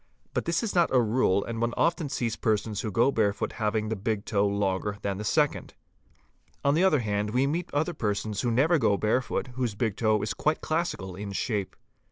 But this 'is not a rule, and one often sees persons who go barefoot having the big e longer than the second. On the other hand we meet other persons who never go barefoot, whose big toe is quite classical in shape.